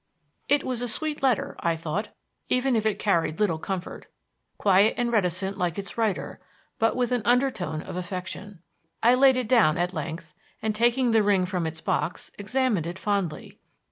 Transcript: It was a sweet letter, I thought, even if it carried little comfort; quiet and reticent like its writer, but with an undertone of affection. I laid it down at length, and, taking the ring from its box, examined it fondly.